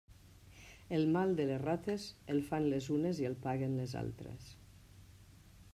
El mal de les rates, el fan les unes i el paguen les altres.